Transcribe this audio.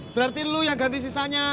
berarti lu ya ganti sisanya